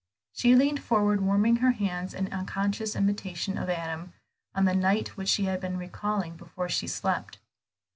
She leaned forward warming her hands in unconscious imitation of Adam, on the night which she had been recalling before she slept.